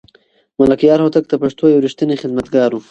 ملکیار هوتک د پښتو یو رښتینی خدمتګار و.